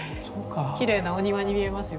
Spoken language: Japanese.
きれいなお庭に見えますよね。